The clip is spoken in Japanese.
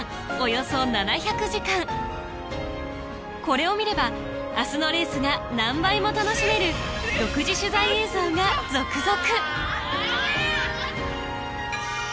これを見れば明日のレースが何倍も楽しめる独自取材映像が続々！